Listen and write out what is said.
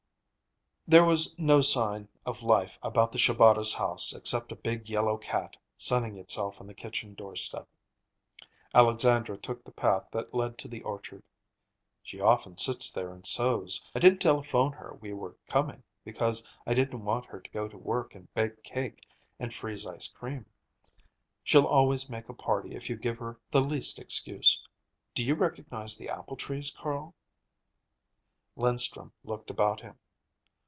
There was no sign of life about the Shabatas' house except a big yellow cat, sunning itself on the kitchen doorstep. Alexandra took the path that led to the orchard. "She often sits there and sews. I didn't telephone her we were coming, because I didn't want her to go to work and bake cake and freeze ice cream. She'll always make a party if you give her the least excuse. Do you recognize the apple trees, Carl?" Linstrum looked about him.